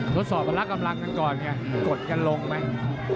ทดสอบพละกำลังกันก่อนไงกดกันลงไหม